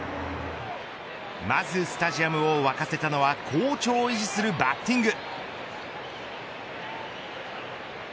まずスタジアムを沸かせたのは好調を維持するバッティング。